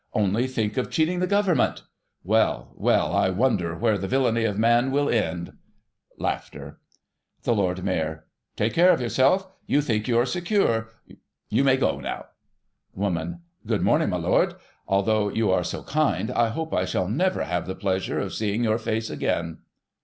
Only think of cheating the Government! Well, well, I wonder where the villainy of man will end ! The Lord Mayor : Take care of yourself. You think you are secure. You may go now. Woman : Good morning, my Lord. Although you are so kind, I hope I shall never have the pleasure of seeing your face again.